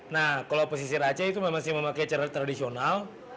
nah kalau pesisir aceh itu memang sih memakai cara tradisional